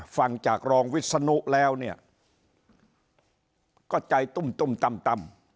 ฟังจากรองวิศนุแล้วเนี่ยก็ใจตุ้มตุ้มตั้ม